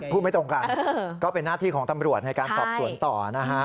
ไม่ตรงกันก็เป็นหน้าที่ของตำรวจในการสอบสวนต่อนะฮะ